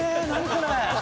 これ。